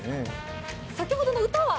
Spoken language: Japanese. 先ほどの歌は？